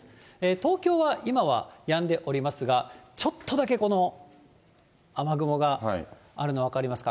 東京は今はやんでおりますが、ちょっとだけこの雨雲があるの分かりますか？